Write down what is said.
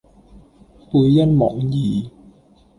背恩忘義